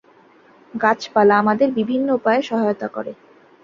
গাছপালা আমাদের বিভিন্ন উপায়ে সহায়তা করে।